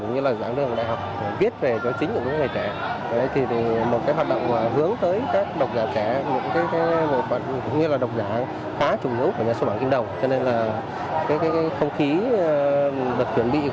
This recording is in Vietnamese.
cũng như là giảng đường đại học viết về cho chính của những người trẻ